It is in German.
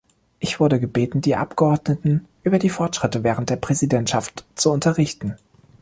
Ich wurde gebeten, die Abgeordneten über die Fortschritte während der Präsidentschaft zu unterrichten.